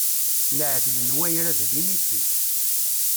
Iaɛdel n wayrad d inisi.